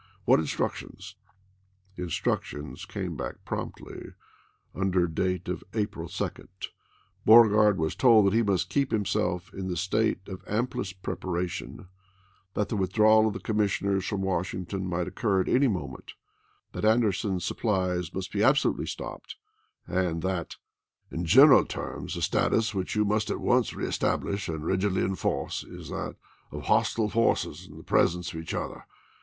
What in ^:, p'. ^}' structions 1 " The instructions came back promptly under date of April 2; Beauregard was told that he must keep himself in the state of amplest prep aration ; that the withdrawal of the commissioners from Washington might occur at any moment ; that Anderson's supplies must be absolutely stopped; and that, "in general terms the status which to^Saure you must at once reestablish and rigidly enforce is ^Xisei!^*^ that of hostile forces in the presence of each other, i.'